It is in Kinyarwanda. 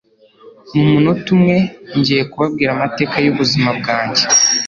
Mu munota umwe, ngiye kubabwira amateka yubuzima bwanjye.